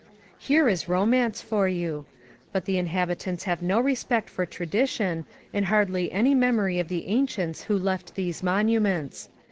Here is romance for you. But the inhabitants have no respect for tradition, and hardly any memory of the ancients who left these monuments.